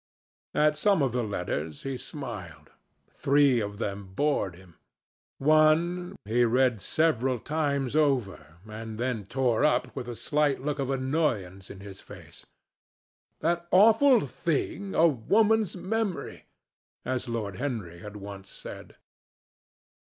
At some of the letters, he smiled. Three of them bored him. One he read several times over and then tore up with a slight look of annoyance in his face. "That awful thing, a woman's memory!" as Lord Henry had once said.